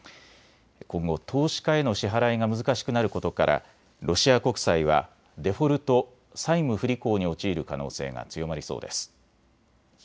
今後、投資家への支払いが難しくなることからロシア国債はデフォルト・債務不履行に陥る可能性が強まりそうです。